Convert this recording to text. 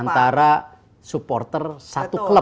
antara supporter satu klub